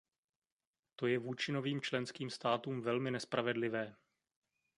To je vůči novým členským státům velmi nespravedlivé.